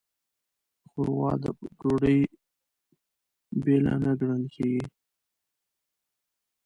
ښوروا د ډوډۍ بېله نه ګڼل کېږي.